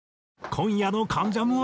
今夜の『関ジャム』は。